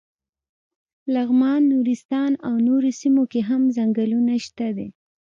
لغمان، نورستان او نورو سیمو کې هم څنګلونه شته دي.